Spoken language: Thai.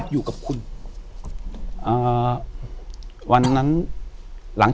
อยู่ที่แม่ศรีวิรัยิลครับ